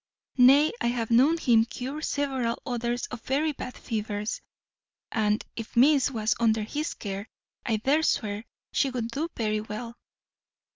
Nay, I have known him cure several others of very bad fevers; and, if miss was under his care, I dare swear she would do very well."